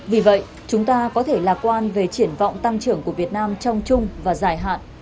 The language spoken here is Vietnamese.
vì vậy chúng ta có thể lạc quan về triển vọng tăng trưởng của việt nam trong chung và dài hạn